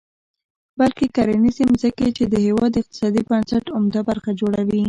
بلکې کرنیزې ځمکې، چې د هېواد د اقتصادي بنسټ عمده برخه جوړوي.